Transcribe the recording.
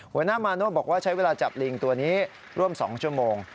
หัวหน้ามาโน่บอกว่าใช้เวลาจับลิงตัวนี้ร่วม๒ชั่วโมง